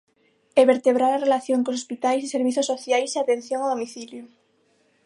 E vertebrar a relación con hospitais e servizos sociais e a atención a domicilio.